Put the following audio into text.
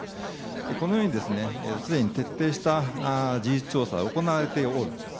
このように、すでに徹底した事実調査が行われている。